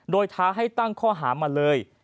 โดยท้าให้ตั้งข้อหามาเลย